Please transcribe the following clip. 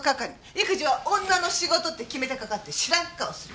育児は女の仕事って決めてかかって知らん顔する。